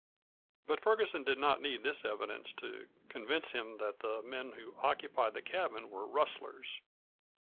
But Ferguson did not need this evidence to convince him that the men who occupied the cabin were rustlers.